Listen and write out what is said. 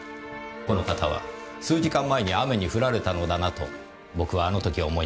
この方は数時間前に雨に降られたのだなと僕はあの時思いました。